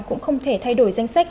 cũng không thể thay đổi danh sách